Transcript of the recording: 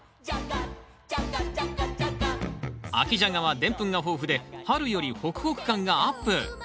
秋ジャガはでんぷんが豊富で春よりホクホク感がアップ！